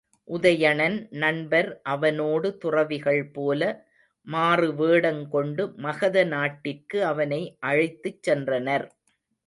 உதயணன் நண்பர் அவனோடு துறவிகள்போல மாறுவேடங் கொண்டு மகத நாட்டிற்கு அவனை அழைத்துச் சென்றனர்.